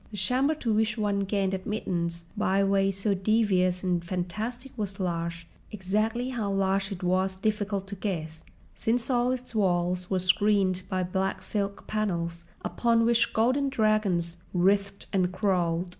The chamber to which one gained admittance by ways so devious and fantastic was large—exactly how large it was difficult to guess, since all its walls were screened by black silk panels upon which golden dragons writhed and crawled.